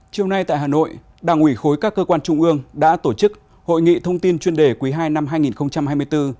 chiều nay tại hà nội đảng ủy khối các cơ quan trung ương đã tổ chức hội nghị thông tin chuyên đề quý ii năm hai nghìn hai mươi bốn